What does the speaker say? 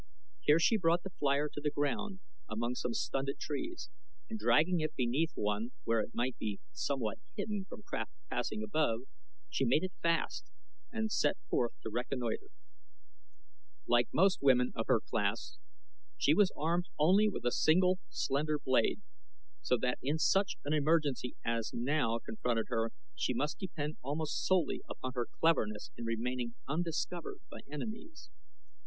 Here she brought the flier to the ground among some stunted trees, and dragging it beneath one where it might be somewhat hidden from craft passing above, she made it fast and set forth to reconnoiter. Like most women of her class she was armed only with a single slender blade, so that in such an emergency as now confronted her she must depend almost solely upon her cleverness in remaining undiscovered by enemies.